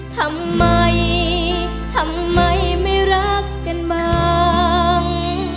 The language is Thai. ทำไมทำไมไม่รักกันบ้าง